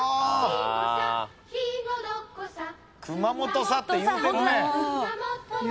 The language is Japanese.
「熊本さ」って言うてるね。